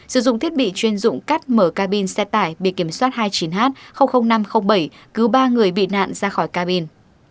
sử dụng thiết bị chuyên dụng cắt mở cabin xe tải bị kiểm soát hai mươi chín h năm trăm linh bảy cứu ba người bị nạn ra khỏi cabin